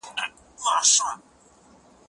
لیک د زهشوم له خوا کيږي